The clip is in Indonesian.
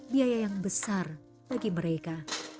biaya yang besar bagi mereka